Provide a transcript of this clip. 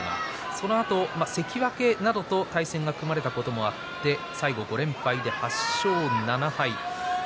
そのあと関脇などと対戦が組まれたこともあって最後５連敗で８勝７敗でした。